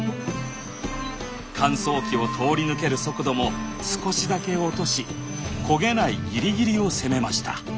乾燥機を通り抜ける速度も少しだけ落とし焦げないぎりぎりを攻めました。